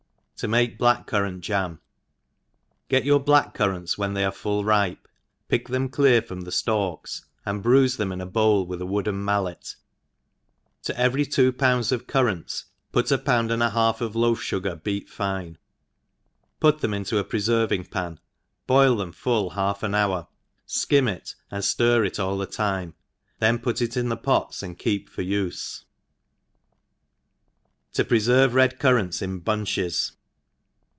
To make Black Currant Jam, GET your black currants when they are full ripe, pick them clear from the ftalks, and bruife them in a bowl with a wooden mlallet, to every two pounds of currants put a pound and a half of loaf fugar beat fine, put theiQ into a preferv* ing pan, boil them full half an hour, fkim it and Air it all the time, then put it in the pots^ and keep it for ufe. To pre/krve KuD Currants in Bunches.